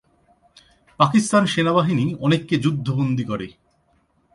পাকিস্তান সেনাবাহিনী অনেককে যুদ্ধ বন্দী করে।